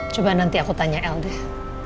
coba nanti aku tanya el deh